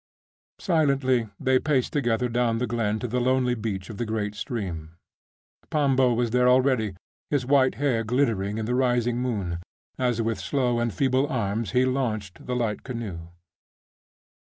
Silently they paced together down the glen to the lonely beach of the great stream. Pambo was there already, his white hair glittering in the rising moon, as with slow and feeble arms he launched the light canoe.